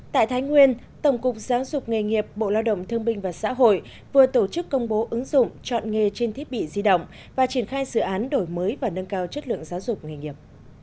tại thái nguyên tổng cục giáo dục nghề nghiệp bộ lao động thương binh và xã hội vừa tổ chức công bố ứng dụng chọn nghề trên thiết bị di động và triển khai dự án đổi mới và nâng cao chất lượng giáo dục nghề nghiệp